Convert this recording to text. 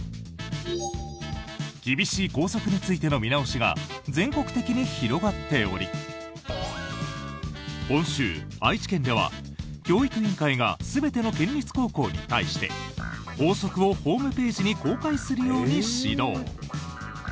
厳しい校則についての見直しが全国的に広がっており今週、愛知県では教育委員会が全ての県立高校に対して校則をホームページに公開するように指導。